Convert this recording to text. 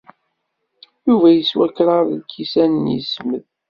Yuba yeswa kraḍ lkisan n yismed.